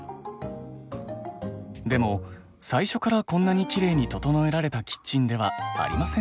でも最初からこんなにきれいに整えられたキッチンではありませんでした。